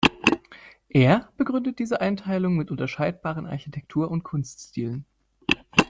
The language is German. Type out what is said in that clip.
Er begründet diese Einteilung mit unterscheidbaren Architektur- und Kunst-Stilen.